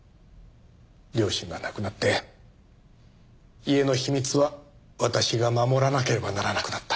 両親が亡くなって家の秘密は私が守らなければならなくなった。